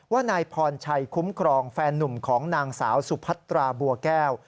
นายพรชัยคุ้มครองแฟนนุ่มของนางสาวสุพัตราบัวแก้ว